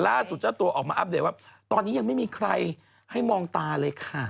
เจ้าตัวออกมาอัปเดตว่าตอนนี้ยังไม่มีใครให้มองตาเลยค่ะ